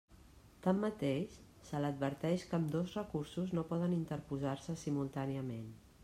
Tanmateix, se l'adverteix que ambdós recursos no poden interposar-se simultàniament.